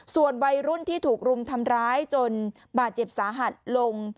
ส่วนวัยรุ่นที่ถูกรุมทำร้ายจนบาดเจ็บสาหัสลง